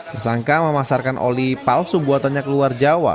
tersangka memasarkan oli palsu buatannya keluar jawa